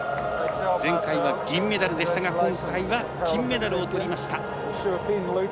前回は銀メダルでしたが今回は金メダルをとりました。